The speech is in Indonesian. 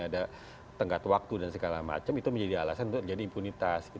ada tenggat waktu dan segala macam itu menjadi alasan untuk jadi impunitas